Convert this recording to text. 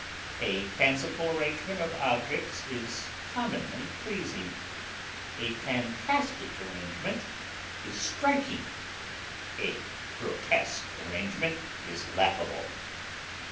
A fanciful arrangement of objects is commonly pleasing, a fantastic arrangement is striking, a grotesque arrangement is laughable.